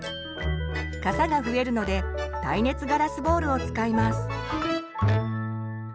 かさが増えるので耐熱ガラスボウルを使います。